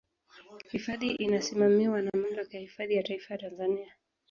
Hifadhi inasimamiwa na Mamlaka ya Hifadhi ya Taifa ya Tanzania